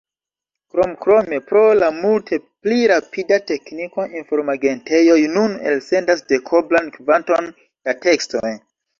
Kromkrome pro la multe pli rapida tekniko, informagentejoj nun elsendas dekoblan kvanton da tekstoj.